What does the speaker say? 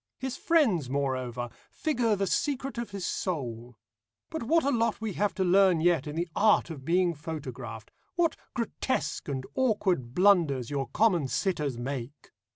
His friends, moreover, figure the secret of his soul. But what a lot we have to learn yet in the art of being photographed, what grotesque and awkward blunders your common sitters make!